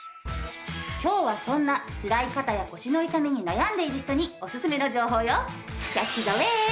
今日はそんなつらい肩や腰の痛みに悩んでいる人におすすめの情報よ。